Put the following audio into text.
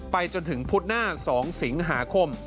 ไปจนถึงพุธหน้า๒สิงหาคม